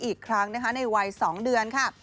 อีกครั้งในวัยสองเดือนค่ะ